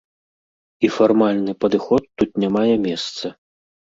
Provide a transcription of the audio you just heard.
І фармальны падыход тут не мае месца.